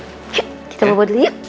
kita bobot dulu yuk